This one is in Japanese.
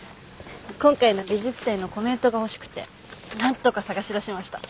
今回の美術展のコメントが欲しくてなんとか捜し出しました。